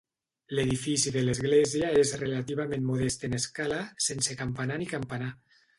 L'edifici de l'església és relativament modest en escala, sense campanar ni campanar.